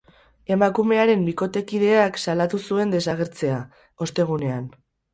Emakumearen bikotekideak salatu zuen desagertzea, ostegunean.